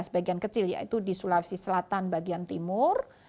sebagian kecil yaitu di sulawesi selatan bagian timur